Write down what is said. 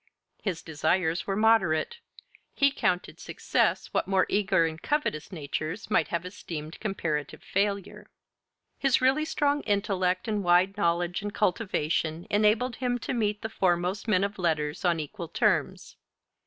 His desires were moderate; he counted success what more eager and covetous natures might have esteemed comparative failure. His really strong intellect and wide knowledge and cultivation enabled him to meet the foremost men of letters on equal terms.